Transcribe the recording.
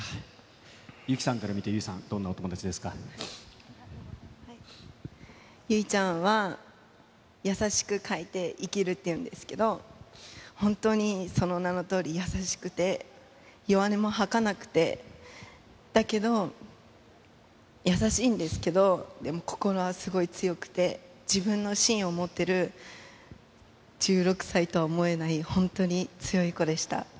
祐希さんから見て、優生さん、優生ちゃんは、優しくかいて生きるっていうんですけど、本当にその名のとおり優しくて、弱音も吐かなくて、だけど、優しいんですけど、でも心はすごい強くて、自分の芯を持ってる１６歳とは思えない、本当に強い子でした。